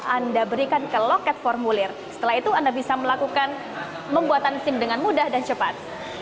anda berikan ke loket formulir setelah itu anda bisa melakukan pembuatan sim dengan mudah dan cepat